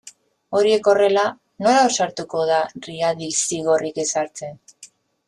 Horiek horrela, nor ausartuko da Riadi zigorrik ezartzen?